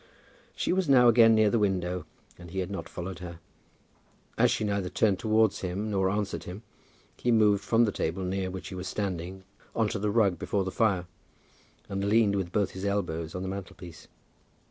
She was now again near the window, and he had not followed her. As she neither turned towards him nor answered him, he moved from the table near which he was standing on to the rug before the fire, and leaned with both his elbows on the mantelpiece.